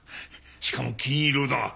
しかも金色だ。